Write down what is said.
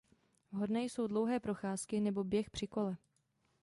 Vhodné jsou dlouhé procházky nebo běh při kole.